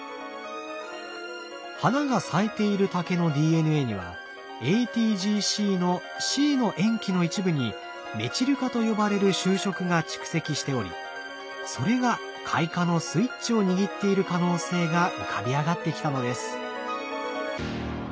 花が咲いている竹のＤＮＡにはＡＴＧＣのＣの塩基の一部にメチル化と呼ばれる修飾が蓄積しておりそれが開花のスイッチを握っている可能性が浮かび上がってきたのです。